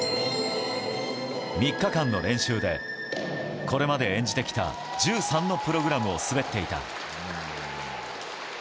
３日間の練習でこれまで演じてきた１３のプログラムを滑っていた。